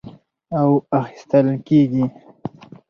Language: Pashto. او اخىستل کېږي،